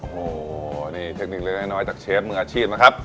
โอ้โหนี่เทคนิคเล็กน้อยจากเชฟมืออาชีพนะครับ